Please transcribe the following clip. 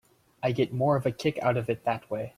I get more of a kick out of it that way.